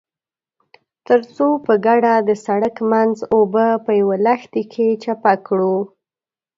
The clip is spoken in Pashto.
ترڅو په ګډه د سړک منځ اوبه په يوه لښتي کې چپه کړو.